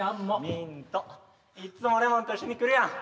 ミントいつもレモンと一緒に来るやん。